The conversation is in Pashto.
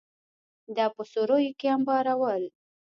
دا په سوریو کې انبارول.